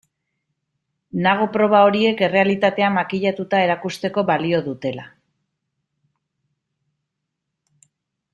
Nago proba horiek errealitatea makillatuta erakusteko balio dutela.